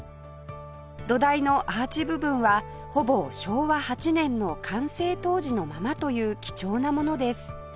土台のアーチ部分はほぼ昭和８年の完成当時のままという貴重なものです